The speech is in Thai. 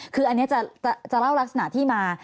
คืออันนี้จะเล่ารักษณะที่มา